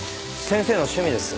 先生の趣味です。